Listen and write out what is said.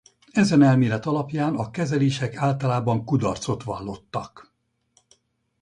Ezen elmélet alapján a kezelések általában kudarcot vallottak.